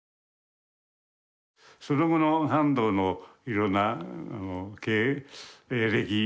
その後の半藤のいろんな経歴